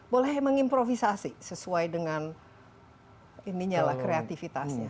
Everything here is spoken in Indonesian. boleh mengimprovisasi sesuai dengan kreativitasnya